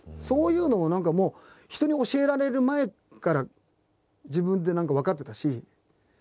そういうのが何かもう人に教えられる前から自分で何か分かってたし。